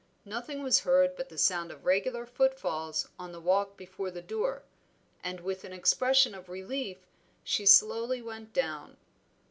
Nothing was heard but the sound of regular footfalls on the walk before the door, and with an expression of relief she slowly went down.